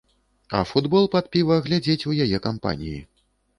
А футбол пад піва глядзець у яе кампаніі.